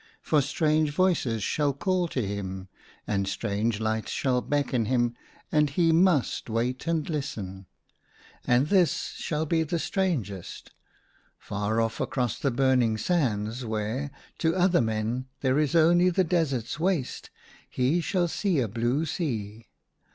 For strange voices shall call to him and strange lights shall beckon him, and he must wait and listen. And this shall be the strangest : far off across the burning sands where, to other men, there is only the desert's waste, he shall see a blue sea